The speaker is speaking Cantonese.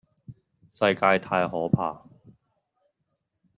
世界太可怕